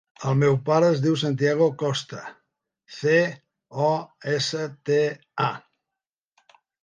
El meu pare es diu Santiago Costa: ce, o, essa, te, a.